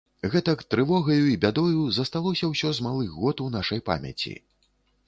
Гэтак, трывогаю і бядою, засталося ўсё з малых год у нашай памяці.